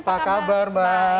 pak kabar mbak